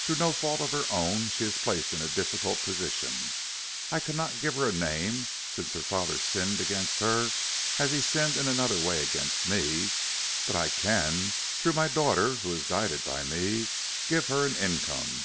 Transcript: Through no fault of her own, she is placed in a difficult position. I cannot give her a name, since her father sinned against her as he sinned in another way against me, but I can through my daughter, who is guided by me give her an income.